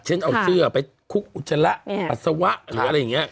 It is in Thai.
เช่นเอาเสื้อไปคุกอุจจาระปัสสาวะหรืออะไรอย่างนี้